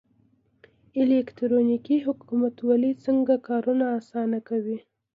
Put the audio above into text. الکترونیکي حکومتولي څنګه کارونه اسانه کوي؟